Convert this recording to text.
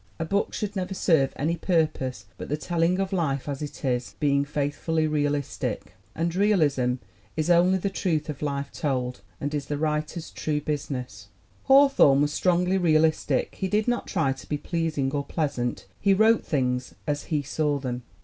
A book should never serve any purpose but the telling of life as it is being faithfully realistic. "And realism is only the truth of life told, and is ELLEN GLASGOW 27 the writer's true business. Hawthorne was strongly realistic. He did not try to be pleasing or pleasant. He wrote things as he saw them.